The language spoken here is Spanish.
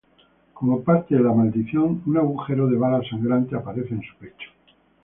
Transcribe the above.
Como parte de la maldición, un agujero de bala sangrante aparece en su pecho.